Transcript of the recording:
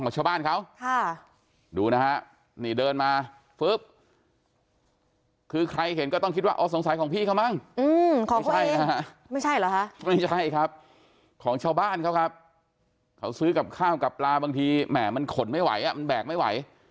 ใช่ครับของชาวบ้านเขาครับเขาซื้อกับข้าวกับปลาบางทีแหม่มันขนไม่ไหวมันแบกไม่ไหว